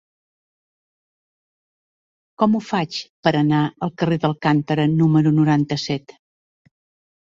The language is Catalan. Com ho faig per anar al carrer d'Alcántara número noranta-set?